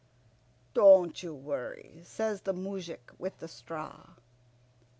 "Don't you worry," says the moujik with the straw.